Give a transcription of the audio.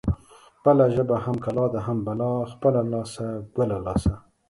خپله ژبه هم کلا ده هم بلا. خپله لاسه ګله لاسه.